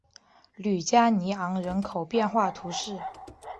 吕加尼昂人口变化图示